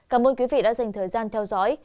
cảm ơn quý vị đã dành thời gian theo dõi